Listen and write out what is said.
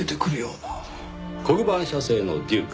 コグバーン社製のデューク。